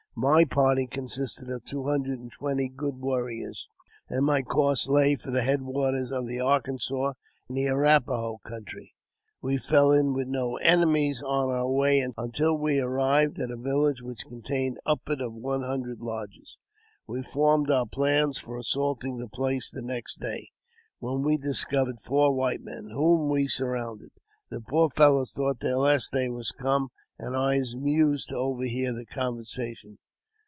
My party consisted of two hundred and twenty good warriors, and my course lay for the head waters of the Arkansas, in the Arrap a ho country. We fell in with no enemies on bur way until we arrived at a village which contained upward of one hundred lodges. We formed our plans for assaulting the place the next day, when we discovered four white men, whom we surrounded. The poor fellows thought their last day was come, and I was amused to overhear their conversation.